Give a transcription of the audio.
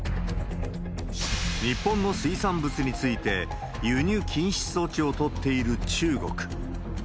日本の水産物について、輸入禁止措置を取っている中国。